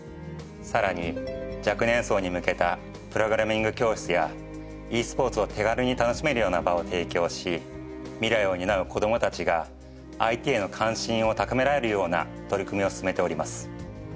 さらに若年層に向けたプログラミング教室やｅスポーツを手軽に楽しめるような場を提供し未来を担う子どもたちがＩＴヘの関心を高められるような取り組みを進めております。